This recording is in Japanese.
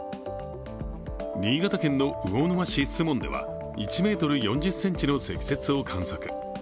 新潟県の魚沼市守門では１ｍ４０ｃｍの積雪を観測。